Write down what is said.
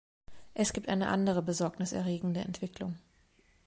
Es gibt eine andere besorgniserregende Entwicklung.